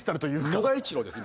野田栄一郎です